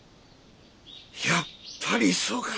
やっぱりそうか。